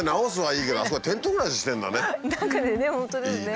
いいね。